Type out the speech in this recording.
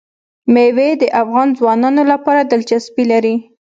مېوې د افغان ځوانانو لپاره دلچسپي لري.